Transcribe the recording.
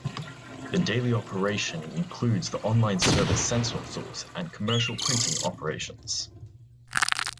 The daily operation includes the online service SentinelSource and commercial printing operations.